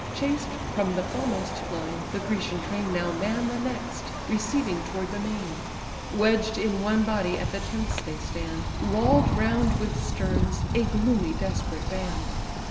Chased from the foremost line, the Grecian train Now man the next, receding toward the main: Wedged in one body at the tents they stand, Wall'd round with sterns, a gloomy, desperate band.